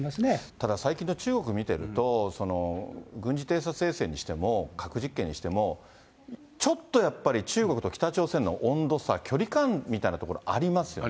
ただ最近の中国見てると、軍事偵察衛星にしても、核実験にしても、ちょっとやっぱり、中国と北朝鮮の温度差、距離感みたいなところありますよね。